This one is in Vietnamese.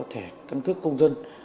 thẻ căn cức công dân